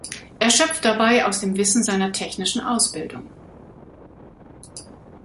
Er schöpft dabei aus dem Wissen seiner technischen Ausbildung.